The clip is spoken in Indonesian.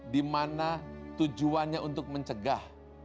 di mana tujuannya untuk mencegah